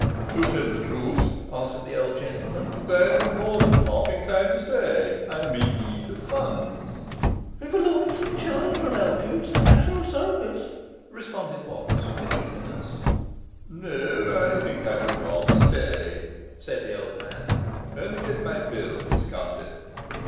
'To tell the truth,' answered the old gentleman, 'I am more than half inclined to stay; I am in need of funds.' 'If a loan of ten shillings would help you, it is at your service,' responded Watts, with eagerness. 'No, I think I would rather stay,' said the old man, 'and get my bill discounted.